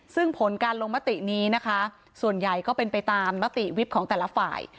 ซึ่งผลการลงมตินี้นะคะส่วนใหญ่ก็เป็นไปตามมติวิบของแต่ละฝ่าย